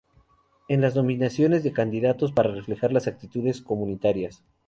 En las nominaciones de candidatos para reflejar las actitudes comunitarias.